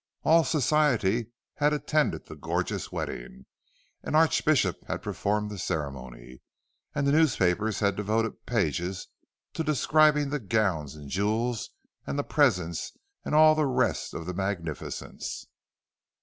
All Society had attended the gorgeous wedding, an archbishop had performed the ceremony, and the newspapers had devoted pages to describing the gowns and the jewels and the presents and all the rest of the magnificence.